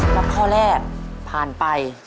สำหรับข้อแรกผ่านไป